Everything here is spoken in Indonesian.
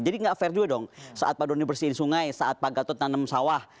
jadi nggak fair juga dong saat pak doni bersihin sungai saat pak gatot nanam sawah